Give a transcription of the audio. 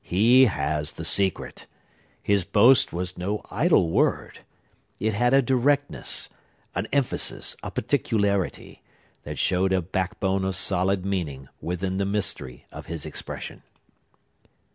He has the secret. His boast was no idle word. It had a directness, an emphasis, a particularity, that showed a backbone of solid meaning within the mystery of his expression."